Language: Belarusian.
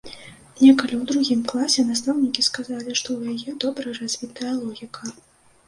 Некалі ў другім класе настаўнікі сказалі, што ў яе добра развітая логіка.